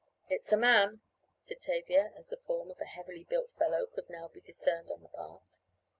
"It's a man," said Tavia, as the form of a heavily built fellow could now be discerned on the path.